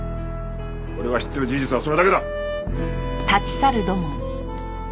俺が知っている事実はそれだけだ。